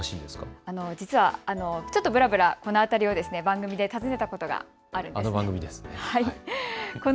実はちょっとブラブラ、この辺り、番組で訪ねたことがあるんです。